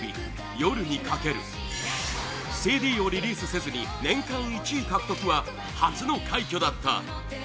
「夜に駆ける」ＣＤをリリースせずに年間１位獲得は初の快挙だった！